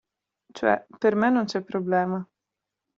Cioè, per me non c'è problema.